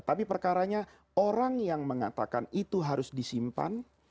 tapi perkaranya orang yang mengatakan itu harus disimpan